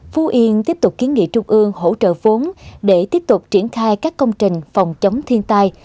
phú yên tiếp tục kiến nghị trung ương hỗ trợ vốn để tiếp tục triển khai các công trình phòng chống thiên tai